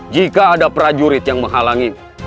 jika ada prajurit yang menghalangi